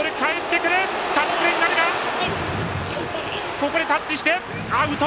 ここでタッチしてアウト。